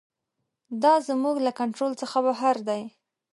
دا زموږ له کنټرول څخه بهر دی.